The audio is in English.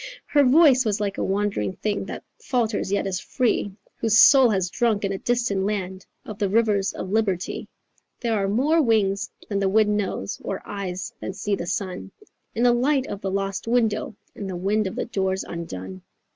Her voice was like a wandering thing That falters yet is free, Whose soul has drunk in a distant land Of the rivers of liberty. "There are more wings than the wind knows Or eyes than see the sun In the light of the lost window And the wind of the doors undone.